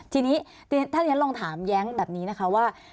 ทีนี้ท่านยันต์ลองถามแย้งแบบนี้นะคะว่า